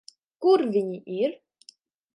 Kur viņi ir?